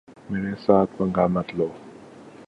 میرے ساتھ پنگا مت لو۔